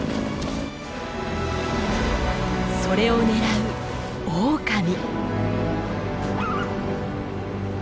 それを狙うオオカミ。